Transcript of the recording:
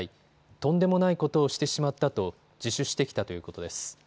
とんでもないことをしてしまったと自首してきたということです。